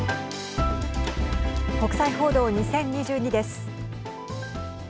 国際報道２０２２です。